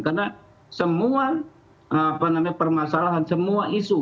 karena semua permasalahan semua isu